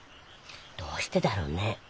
どうしてだろうね？